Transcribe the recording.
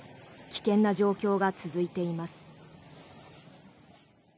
危険な状況が続いています。